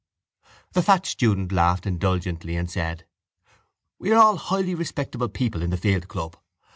The fat student laughed indulgently and said: —We are all highly respectable people in the field club.